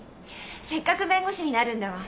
せっかく弁護士になるんだもん。